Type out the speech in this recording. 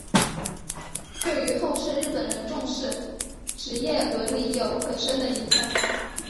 对于后世日本人重视职业伦理有很深的影响。